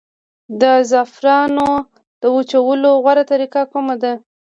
د زعفرانو د وچولو غوره طریقه کومه ده؟